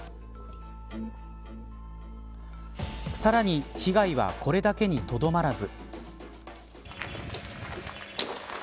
さらに、被害はこれだけにとどまらず。